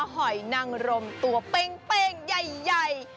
หอยนังรมตัวเป้งใหญ่